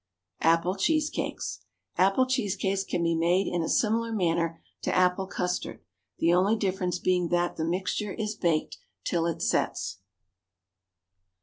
APPLE CHEESE CAKES. Apple cheese cakes can be made in a similar manner to apple custard, the only difference being that the mixture is baked till it sets.